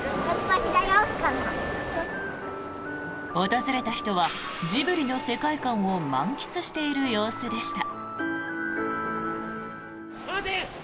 訪れた人はジブリの世界観を満喫している様子でした。